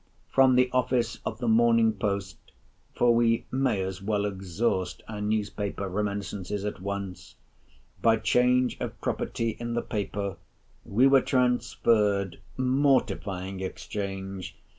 From the office of the Morning Post (for we may as well exhaust our Newspaper Reminiscences at once) by change of property in the paper, we were transferred, mortifying exchange!